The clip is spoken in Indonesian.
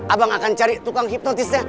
abang akan cari tukang hipnotisnya